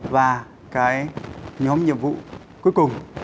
và cái nhóm nhiệm vụ cuối cùng